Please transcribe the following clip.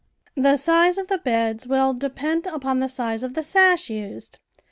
The size of the beds will depend upon the size of the sash used.